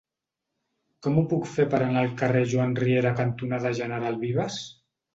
Com ho puc fer per anar al carrer Joan Riera cantonada General Vives?